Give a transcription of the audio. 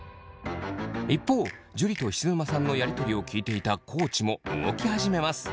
一方樹と菱沼さんのやり取りを聞いていた地も動き始めます。